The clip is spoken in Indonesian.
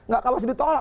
kalau masih ditolak